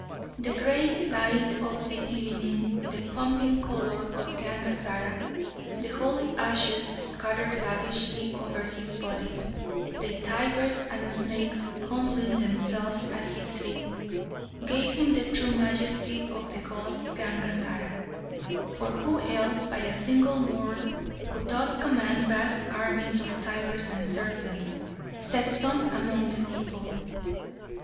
The grey light of the evening, the pumpkin colour of Gangazara, the holy ashes scattered lavishly over his body, the tigers and snakes humbling themselves at his feet, gave him the true majesty of the god Gangazara. For who else by a single word could thus command vast armies of tigers and serpents, said some among the people.